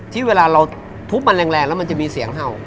ที่เวลาเราทุบมันแรงแล้วมันจะมีเสียงเห่า